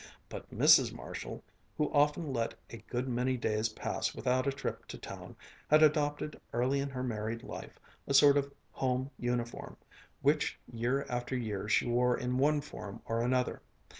But Mrs. Marshall, who often let a good many days pass without a trip to town, had adopted early in her married life a sort of home uniform, which year after year she wore in one form or another.